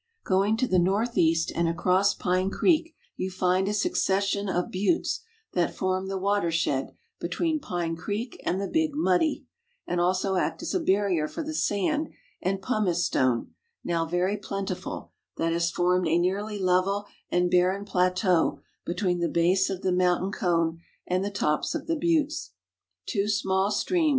Going to the northeast and across Pine creek you find a suc cession of buttes that form the watershed between Pine creek and the Big JNIudd}', and also act as a barrier for the sand and l)umice stone, now very plentiful, that has formed a nearly level and l)arren i)lateau between the base of the mountain cone and the tops of the buttes. Two small stream.